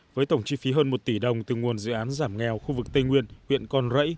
với tổng chi phí hơn một tỷ đồng từ nguồn dự án giảm nghèo khu vực tây nguyên huyện con rẫy